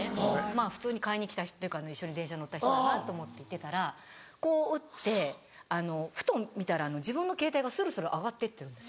まぁ普通に買いに来たっていうか一緒に電車に乗った人だなと思っていてたらこう打ってふと見たら自分のケータイがスルスル上がってってるんですよ。